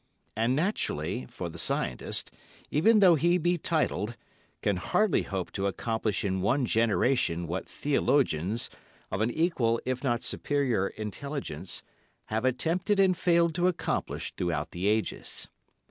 And naturally, for the scientist, even though he be titled, can hardly hope to accomplish in one generation what theologians, of an equal if not superior intelligence, have attempted and failed to accomplish throughout the ages.